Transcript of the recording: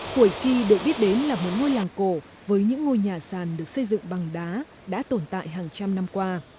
thổi kỳ được biết đến là một ngôi làng cổ với những ngôi nhà sàn được xây dựng bằng đá đã tồn tại hàng trăm năm qua